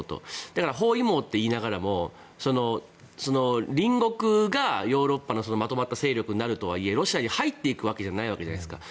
だから包囲網と言いながらも隣国がヨーロッパのまとまった勢力になるとはいえロシアに入っていくわけじゃないじゃないですか。